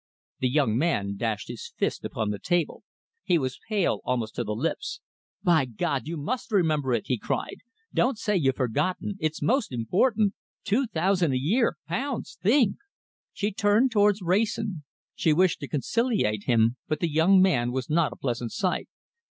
The young man dashed his fist upon the table. He was pale almost to the lips. "By God! you must remember it," he cried. "Don't say you've forgotten. It's most important. Two thousand a year! pounds! Think!" She turned towards Wrayson. She wished to conciliate him, but the young man was not a pleasant sight.